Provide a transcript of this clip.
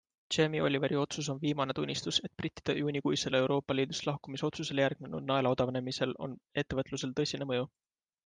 Jamie Oliveri otsus on viimane tunnistus, et brittide juunikuisele Eroopa Liidust lahkumise otsusele järgnenud naela odavnemisel on ettevõtlusele tõsine mõju.